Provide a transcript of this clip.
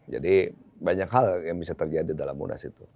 jadi banyak hal yang bisa terjadi dalam munas itu